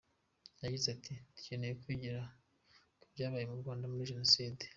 yagize Ati “Dukeneye kwigira ku byabaye ku Rwanda muri Jenoside.